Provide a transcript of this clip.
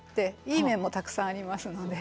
いい面もたくさんありますので。